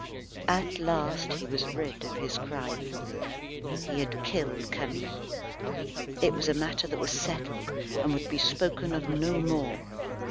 At last he was rid of his crime. He had killed Camille. It was a matter that was settled, and would be spoken of no more.